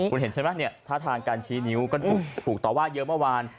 คุณเห็นใช่ไหมเนี่ยทศานการชี้นิ้วก็ผลว่าเยอะมาก